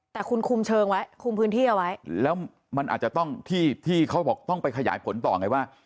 แต่คุณคุมเชิงไว้คุมพื้นที่เอาไว้แล้วมันอาจจะต้องที่ที่เขาบอกต้องไปขยายผลต่อไงว่า